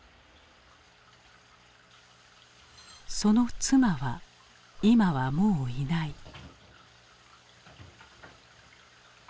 その妻は今はもういない。